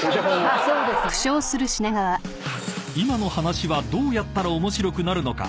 ［今の話はどうやったら面白くなるのか？］